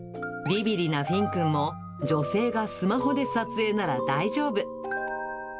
びびりなフィンくんも、女性がスマホで撮影なら大丈夫。